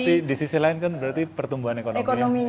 tapi di sisi lain kan berarti pertumbuhan ekonomi